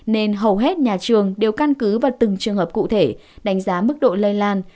nên hầu hết nhà trường đều căn cứ vào từng trường hợp cụ thể đánh giá mức độ lây lan